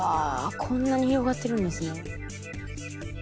こんなに広がってるんですね。